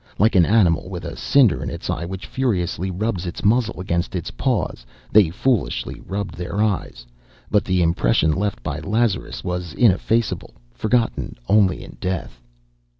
Like an animal with a cinder in its eye which furiously rubs its muzzle against its paws, they foolishly rubbed their eyes; but the impression left by Lazarus was ineffaceable, forgotten only in death.